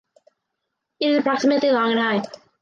It is approximately long and high.